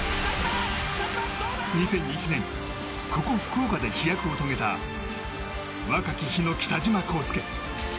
２００１年ここ、福岡で飛躍を遂げた若き日の北島康介。